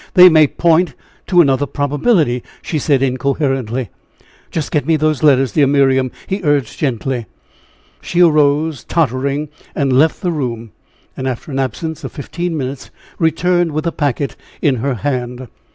they may point to another probability," she said, incoherently. "Just get me those letters, dear Miriam," he urged, gently. She arose, tottering, and left the room, and after an absence of fifteen minutes returned with the packet in her hand.